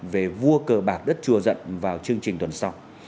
về vua cờ bạc đất chùa dận vào chương trình tuần sau